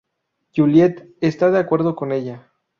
Juliette está de acuerdo con ella.